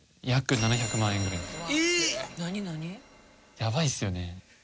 やばいですよね。